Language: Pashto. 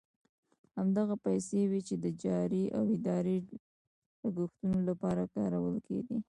همدغه پیسې وې چې د جاري او اداري لګښتونو لپاره کارول کېدې.